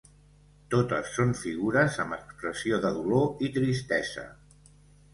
Totes són figures amb expressió de dolor i tristesa.